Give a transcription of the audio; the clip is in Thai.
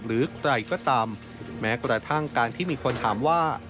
หรือใครก็ตามแม้กระทั่งการที่มีคนถามว่า